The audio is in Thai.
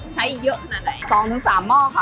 ใช้เยอะขนาดไหน๒๓หม้อค่ะ